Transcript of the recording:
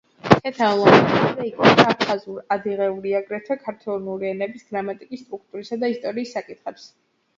ქეთევან ლომთათიძე იკვლევდა აფხაზურ-ადიღური, აგრეთვე ქართველური ენების გრამატიკის სტრუქტურისა და ისტორიის საკითხებს.